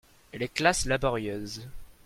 Les classes laborieuses